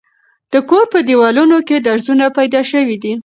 د کور په دېوالونو کې درځونه پیدا شوي دي.